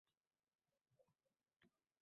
Ular badiiy asar o‘qishmaydi.